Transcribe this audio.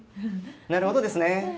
なるほどですね。